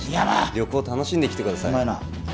旅行楽しんできてください